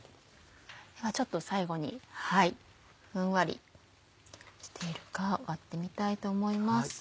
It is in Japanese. ではちょっと最後にふんわりしているか割ってみたいと思います。